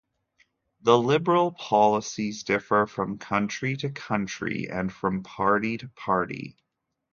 The liberal policies differ from country to country and from party to party.